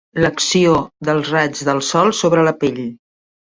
L'acció dels raigs del sol sobre la pell.